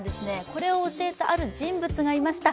これを教えたある人物がいました。